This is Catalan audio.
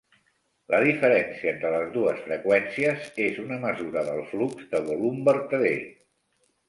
La diferència entre les dues freqüències és una mesura del flux de volum vertader.